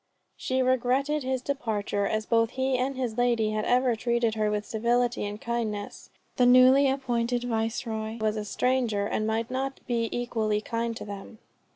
She regretted his departure, as both he and his lady had ever treated her with civility and kindness. The newly appointed Viceroy was a stranger, and might not be equally kind to them.